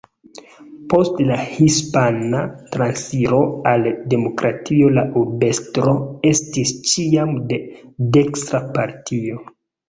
Post la Hispana Transiro al demokratio la urbestro estis ĉiam de dekstra partio.